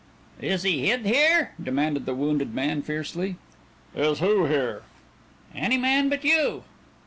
"Is he hid here?" demanded the wounded man fiercely. "Is who here?" "Any man but you."